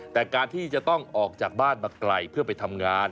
แต่การที่จะต้องออกจากบ้านมาไกลเพื่อไปทำงาน